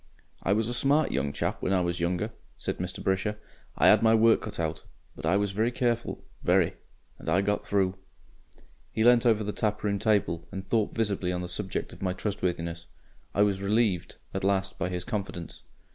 "I was a smart young chap when I was younger," said Mr. Brisher. "I 'ad my work cut out. But I was very careful very. And I got through..." He leant over the taproom table and thought visibly on the subject of my trustworthiness. I was relieved at last by his confidence.